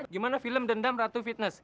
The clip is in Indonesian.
gimana film dendam ratu fitness